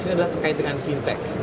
ini adalah terkait dengan fintech